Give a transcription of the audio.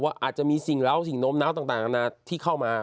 อาจจะมีสิ่งเหล้าสิ่งโน้มน้าวต่างที่เข้ามา